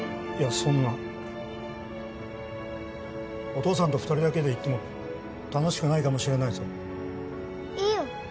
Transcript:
そんなお父さんと２人だけで行っても楽しくないかもしれないぞいいよ